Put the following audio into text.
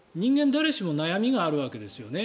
誰しも悩みがあるわけですよね